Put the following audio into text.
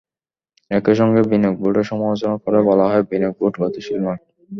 একই সঙ্গে বিনিয়োগ বোর্ডের সমালোচনা করে বলা হয়, বিনিয়োগ বোর্ড গতিশীল নয়।